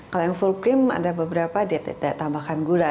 kalau yang full cream ada beberapa dia tidak tambahkan gula